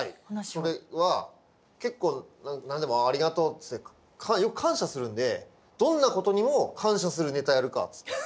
それは結構何でもありがとうっつってよく感謝するんでどんなことにも感謝するネタやるかっつって。